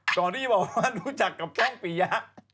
ก่อนที่จะบอกว่ารู้จักกับแป้งปียะ